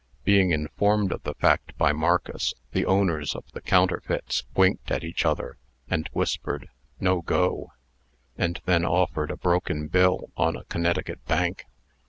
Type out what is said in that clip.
Being informed of the fact by Marcus, the owners of the counterfeits winked at each other, and whispered, "No go," and then offered a broken bill on a Connecticut bank.